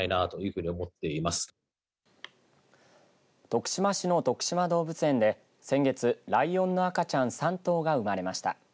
徳島市のとくしま動物園で先月、ライオンの赤ちゃん３頭が生まれました。